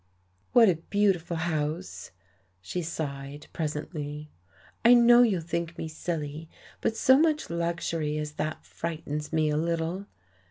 "What a beautiful house!" she sighed presently. "I know you'll think me silly, but so much luxury as that frightens me a little.